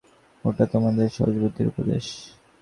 ওটা তোমাদের সহজবুদ্ধির উপদেশ।